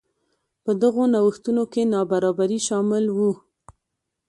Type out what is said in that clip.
په دغو نوښتونو کې نابرابري شامل وو.